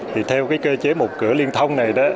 thì theo cái cơ chế một cửa liên thông này đó